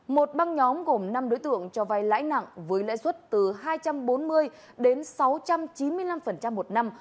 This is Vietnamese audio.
một băng nhóm gồm năm đối tượng cho vai lãi nặng với lãi suất từ hai trăm bốn mươi đến sáu trăm chín mươi năm một năm